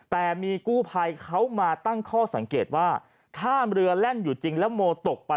แต่มีกู้ภัยเขามาตั้งข้อสังเกตว่าถ้าเรือแล่นอยู่จริงแล้วโมตกไป